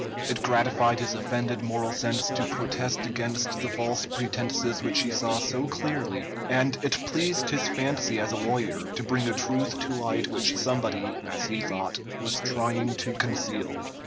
It gratified his offended moral sense to protest against the false pretenses which he saw so clearly, and it pleased his fancy as a lawyer to bring a truth to light which somebody, as he thought, was trying to conceal.